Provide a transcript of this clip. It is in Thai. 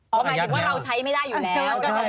หมายถึงว่าเราใช้ไม่ได้อยู่แล้ว